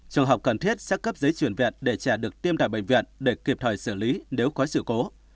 trường hợp cần thiết sẽ cấp giấy chuyển viện để trả được tiêm tại bệnh viện để kịp thời xử lý nếu có sự cố